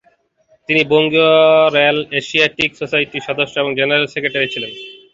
তিনি বঙ্গীয় royal Asiatic সোসাইটির সদস্য ও জেনারেল সেক্রেটারি ছিলেন।